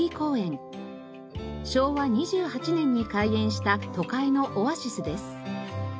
昭和２８年に開園した都会のオアシスです。